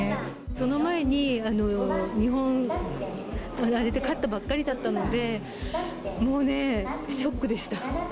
その前に日本、あれで勝ったばっかりだったので、もうね、ショックでした。